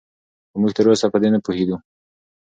خو موږ تراوسه په دې نه پوهېدو